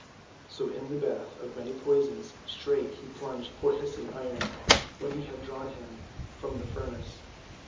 So in the bath of many poisons straight he plunged poor hissing Iron, when he had drawn him from the furnace.